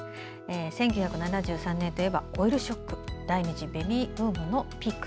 １９７３年といえばオイルショック第２次ベビーブームのピーク。